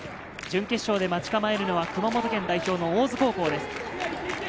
準決勝で待ち構えるのは熊本県代表の大津高校です。